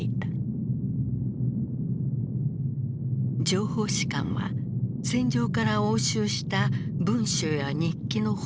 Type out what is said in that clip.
情報士官は戦場から押収した文書や日記の翻訳に当たった。